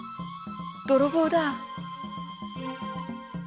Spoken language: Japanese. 泥棒だ！